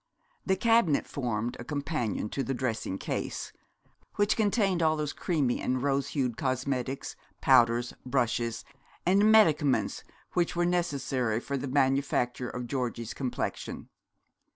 The cabinet formed a companion to the dressing case, which contained all those creamy and rose hued cosmetics, powders, brushes, and medicaments, which were necessary for the manufacture of Georgie's complexion.